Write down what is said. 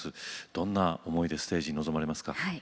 どんな思いでステージに臨まれますか？